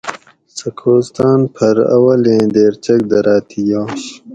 سہۤ کوستاۤن پھر اولیں دیر چکدراۤ تھی یاش